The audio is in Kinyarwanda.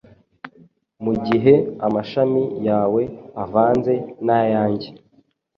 Mugihe amashami yawe avanze nayanjye,